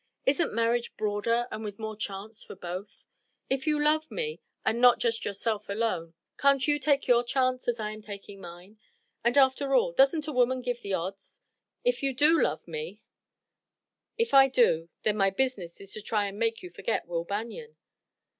Isn't marriage broader and with more chance for both? If you love me and not just yourself alone, can't you take your chance as I am taking mine? And after all, doesn't a woman give the odds? If you do love, me " "If I do, then my business is to try to make you forget Will Banion."